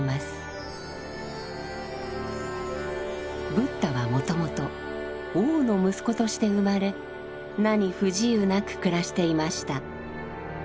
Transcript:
ブッダはもともと王の息子として生まれ何不自由なく暮らしていました。